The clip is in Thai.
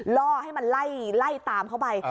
ล่อให้มันไล่ตามเขาไป